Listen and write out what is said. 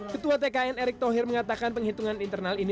ketua tkn erick thohir mengatakan penghitungan internal ini